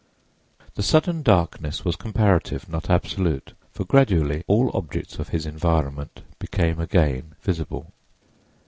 The sudden darkness was comparative, not absolute, for gradually all objects of his environment became again visible.